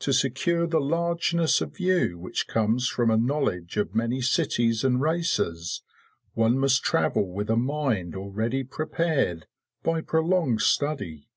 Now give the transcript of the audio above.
To secure the largeness of view which comes from a knowledge of many cities and races, one must travel with a mind already prepared by prolonged study.